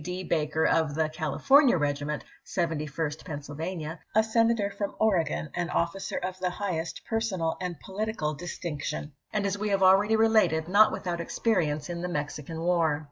D. Baker of the "California regiment" (Seventy first Pennsyl vania) — a Senator from Oregon, an officer of the highest personal and political distinction, and, as we have already related, not without experience in the Mexican war.